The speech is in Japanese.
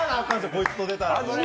こいつと出たら。